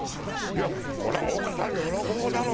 これ奥さん喜ぶだろ！